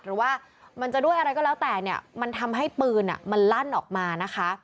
หรือว่ามันจะด้วยอะไรก็แล้วแต่เนี่ยมันทำให้ปืนมันลั่นออกมานะคะ